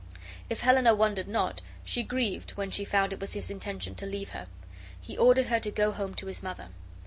If Helena wondered not, she grieved when she found it was his intention to leave her. He ordered her to go home to his mother.